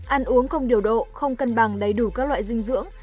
ăn uống không điều độ không cân bằng đầy đủ các loại dinh dưỡng